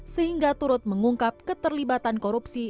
sehingga turut mengungkap keterlibatan korupsi